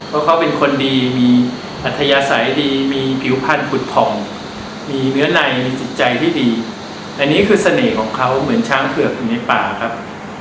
เพราะเขาเป็นคนดีมีอัธยาศัยดีมีผิวพันธ์ขุดผ่องมีเนื้อในมีจิตใจที่ดีอันนี้คือเสน่ห์ของเขาเหมือนช้างเผือกอยู่ในป่าครับ